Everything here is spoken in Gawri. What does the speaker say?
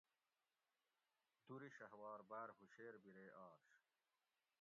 دُر شھوار باۤر ھوشیر بیرے آش